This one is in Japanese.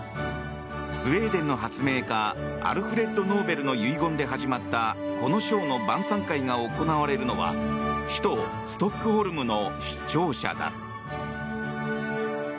スウェーデンの発明家アルフレッド・ノーベルの遺言で始まったこの賞の晩さん会が行われるのは首都ストックホルムの市庁舎だ。